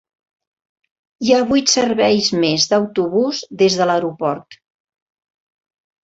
Hi ha vuit serveis més d'autobús des de l'aeroport.